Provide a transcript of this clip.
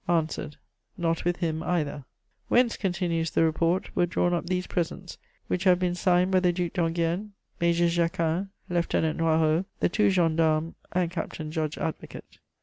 Answered: "Not with him either." * "Whence," continues the report, "were drawn up these presents, which have been signed by the Duc d'Enghien, Major Jacquin, Lieutenant Noirot, the two gendarmes, and captain judge advocate.